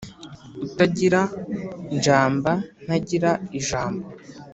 utagira njamba ntagira ijambo”.